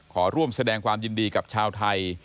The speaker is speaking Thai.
ขอร่วมแสดงความยินดีกับชาวไทย